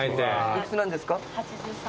お幾つなんですか？